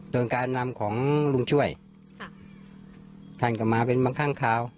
โดยการนำของลุงช่วยท่านกลับมาเป็นบางข้างคาว